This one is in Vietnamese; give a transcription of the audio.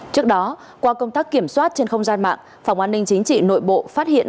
trước đó qua công tác kiểm soát trên không gian mạng phòng an ninh chính trị nội bộ phát hiện